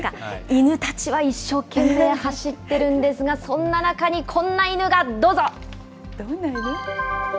犬たちは一生懸命運動してますが、そんな中にこんな犬が、どうぞ。